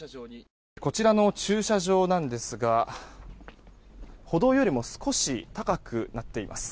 こちらの駐車場なんですが歩道よりも少し高くなっています。